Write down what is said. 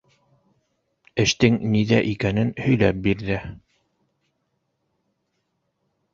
Эштең ниҙә икәнен һөйләп бирҙе.